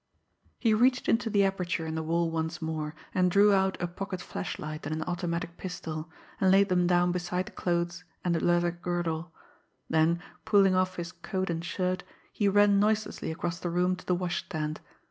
He reached into the aperture in the wall once more, drew out a pocket flashlight and an automatic pistol, and laid them down beside the clothes and the leather girdle; then, pulling off his coat and shirt, he ran noiselessly across the room to the washstand.